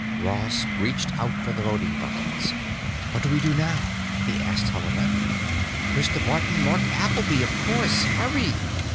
Ross reached out for the voting buttons. "What do we do now?" he asked Helena. "Push the button marked 'Appleby,' of course. Hurry!"